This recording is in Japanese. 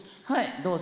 どうぞ。